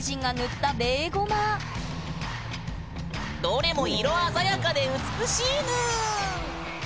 どれも色鮮やかで美しいぬん。